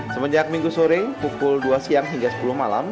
semenjak minggu sore pukul dua siang hingga sepuluh malam